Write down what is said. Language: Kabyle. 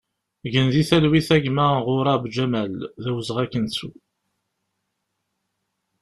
Gen di talwit a gma ƔUrab Ǧamal, d awezɣi ad k-nettu!